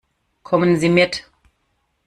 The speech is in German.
Kommen Sie mit.